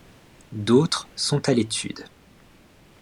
D'autres sont à l'étude.